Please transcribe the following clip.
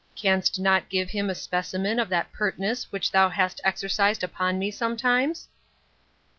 Can'st not give him a specimen of that pertness which thou hast exercised upon me sometimes?